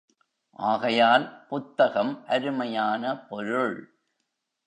ஆகையால், புத்தகம் அருமையான பொருள்.